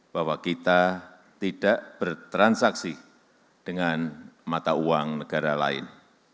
bahwa kita tidak bertransaksi dengan mata uang negara lain